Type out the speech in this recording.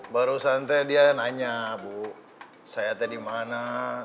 barusan teh dia nanya bu saya teh di mana